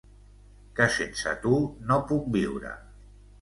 Que sense tu no puc viure.